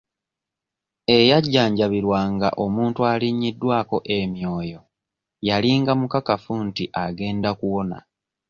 Eyajanjabirwanga omuntu alinnyiddwako emyoyo yalinga mukakafu nti agenda kuwona.